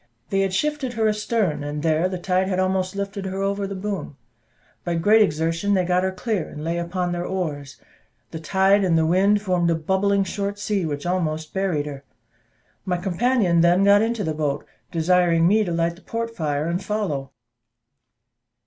They had shifted her astern, and there the tide had almost lifted her over the boom; by great exertion they got her clear, and lay upon their oars: the tide and the wind formed a bubbling short sea, which almost buried her. My companion then got into the boat, desiring me to light the port fire, and follow.